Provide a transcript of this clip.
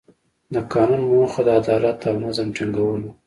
د قانون موخه د عدالت او نظم ټینګول وو.